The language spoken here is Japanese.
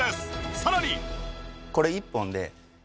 さらに。